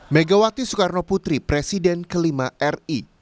megawati soekarno putri presiden kelima ri